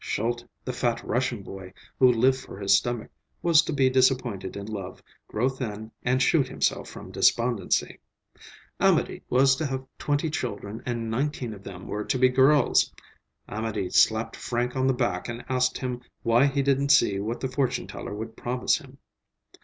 Sholte, the fat Russian boy, who lived for his stomach, was to be disappointed in love, grow thin, and shoot himself from despondency. Amédée was to have twenty children, and nineteen of them were to be girls. Amédée slapped Frank on the back and asked him why he didn't see what the fortune teller would promise him.